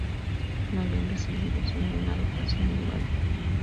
No habían recibido sino una dotación de balas.